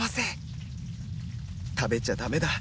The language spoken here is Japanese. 食べちゃダメだ